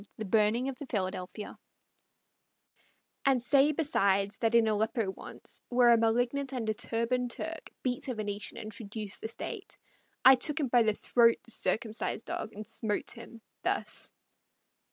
THE BURNING OF THE "PHILADELPHIA" And say besides, that in Aleppo once, Where a malignant and a turban'd Turk Beat a Venetian and traduced the state, I took by the throat the circumcised dog And smote him, thus.